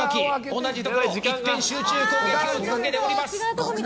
同じところに一転集中突撃を続けております。